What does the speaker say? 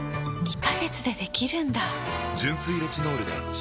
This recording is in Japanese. ２カ月でできるんだ！